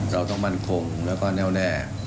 เราต้องมั่นคงแล้วก็แน่วแน่